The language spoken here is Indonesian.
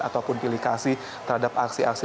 ataupun delikasi terhadap aksi aksi